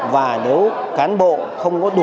và nếu cán bộ không có năng lực